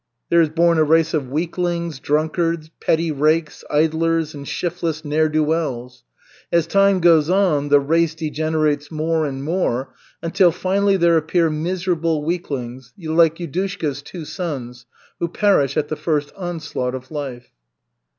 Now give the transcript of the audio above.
There is born a race of weaklings, drunkards, petty rakes, idlers and shiftless ne'er do wells. As time goes on the race degenerates more and more, until finally there appear miserable weaklings, like Yudushka's two sons, who perish at the first onslaught of life.